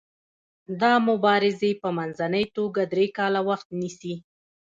دا مبارزې په منځنۍ توګه درې کاله وخت نیسي.